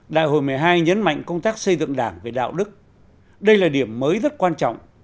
đại hội một mươi hai nhấn mạnh công tác xây dựng đảng về đạo đức đây là điểm mới rất quan trọng